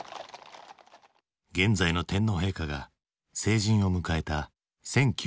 現在の天皇陛下が成人を迎えた１９８０年。